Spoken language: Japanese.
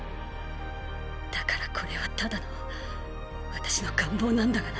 だからこれはただの私の願望なんだがな。